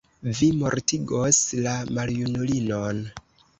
Vi mortigos la maljunulinon.